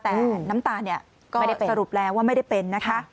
แต่น้ำตาลไม่ได้สรุปแล้วว่าไม่ได้เป็นนะคะ